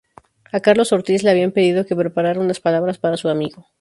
A Carlos Ortiz le habían pedido que preparara unas palabras para su amigo.